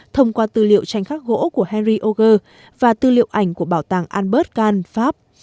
thông qua tư liệu tranh khắc gỗ của henry ogre và tư liệu ảnh của bảo tàng albert kahn pháp